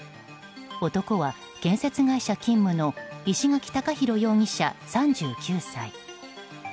男は建設会社勤務の石垣貴浩容疑者、３９歳。